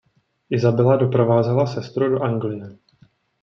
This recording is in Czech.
Isabela doprovázela sestru do Anglie.